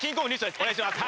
お願いします